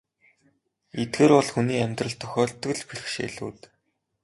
Эдгээр бол хүний амьдралд тохиолддог л бэрхшээлүүд.